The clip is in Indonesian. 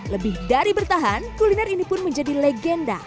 lebih dari bertahan kuliner ini pun menjadi legenda